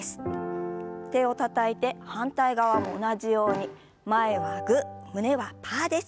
手をたたいて反対側も同じように前はグー胸はパーです。